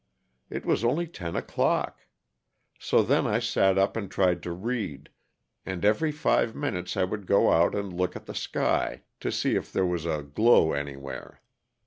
It was only ten o'clock. So then I sat up and tried to read, and every five minutes I would go out and look at the sky, to see if there was a glow anywhere.